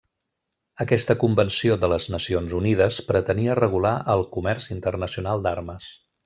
Aquesta convenció de les Nacions Unides pretenia regular el comerç internacional d'armes.